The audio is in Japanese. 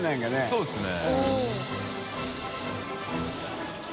そうですね。